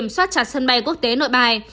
xoát chặt sân bay quốc tế nội bài